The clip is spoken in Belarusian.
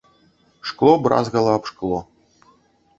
Шкло бразгала аб шкло.